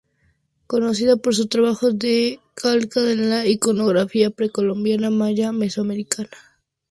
Conocida por sus trabajos de calca de la iconografía precolombina maya mesoamericana.